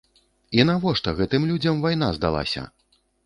І навошта гэтым людзям вайна здалася?!